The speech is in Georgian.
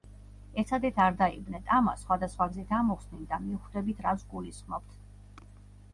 ეცადეთ არ დაიბნეთ, ამას სხვა და სხვა გზით ამოვხსნით და მივხვდებით რას ვგულისხმობ.